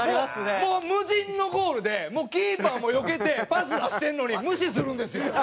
もう無人のゴールでもうキーパーもよけてパス出してるのに無視するんですよ。